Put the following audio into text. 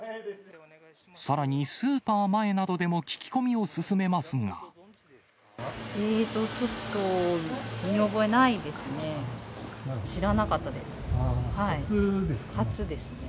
さらに、スーパー前などでも聞きえーと、ちょっと見覚えないですね。